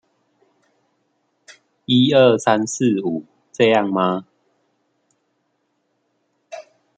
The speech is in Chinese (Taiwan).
一二三四五，這樣嗎？